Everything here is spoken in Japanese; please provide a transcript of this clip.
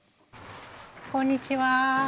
こんにちは。